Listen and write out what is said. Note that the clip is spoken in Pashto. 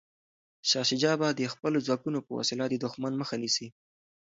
شاه شجاع به د خپلو ځواکونو په وسیله د دښمن مخه نیسي.